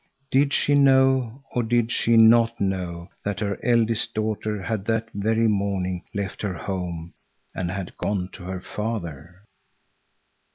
Did she know or did she not know that her eldest daughter had that very morning left her home and had gone to her father?